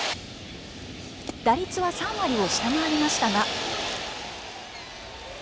打率は３割を下回りましたが。